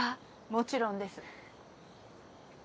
もちろんです。